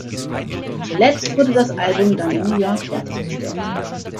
Zuletzt wurde das Album dann in New York fertiggestellt.